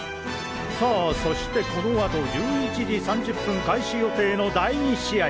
さあそしてこのあと１１時３０分開始予定の第２試合！